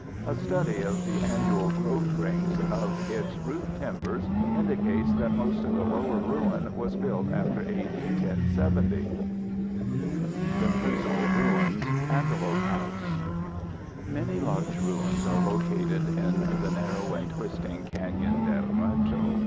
A study of the annual growth rings of its roof timbers indicates that most of the lower ruin was built after A.D. 1070. ANTELOPE HOUSE Many large ruins are located in the narrow and twisting Canyon del Muerto.